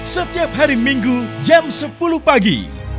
setiap hari minggu jam sepuluh pagi